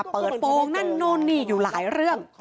เปิดโปรงนั่นนู่นนี่อยู่หลายเรื่อง